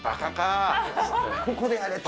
ここでやれと。